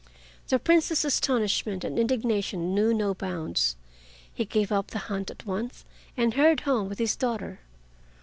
The Prince's astonishment and indignation knew no bounds. He gave up the hunt at once and hurried home with his daughter.